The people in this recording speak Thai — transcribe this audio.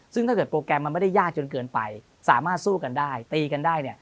ซึ่งถ้าเกิดโปรแกรมมันไม่ได้ยากจนเกินไปสามารถสู้กันได้ตีกันได้เนี่ย